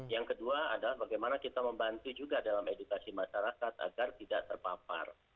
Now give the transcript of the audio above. yang kedua adalah bagaimana kita membantu juga dalam edukasi masyarakat agar tidak terpapar